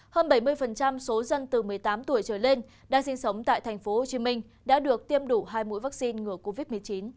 hơn bảy mươi số dân từ một mươi tám tuổi trở lên đang sinh sống tại tp hcm đã được tiêm đủ hai mũi vaccine ngừa covid một mươi chín